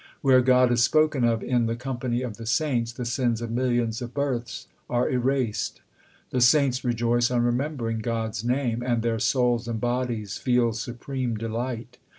Where God is spoken of in the company of the saints, The sins of millions of births are erased. The saints rejoice on remembering God s name, And their souls and bodies feel supreme delight.